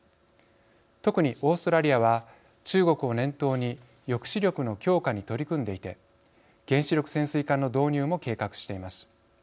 特に、オーストラリアは中国を念頭に抑止力の強化に取り組んでいて原子力潜水艦の導入も計画しています。